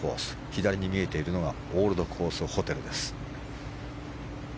左に見えているのがオールドコースホテルです。